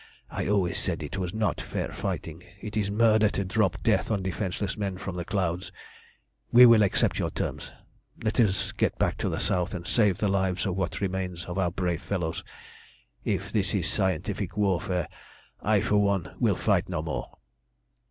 I always said it was not fair fighting. It is murder to drop death on defenceless men from the clouds. We will accept your terms. Let us get back to the south and save the lives of what remain of our brave fellows. If this is scientific warfare, I, for one, will fight no more!"